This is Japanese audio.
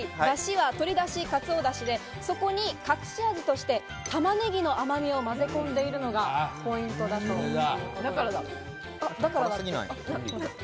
鶏だしとかつおだしで、そこに隠し味として、玉ねぎの甘みをまぜ込んでいるのがポイントです。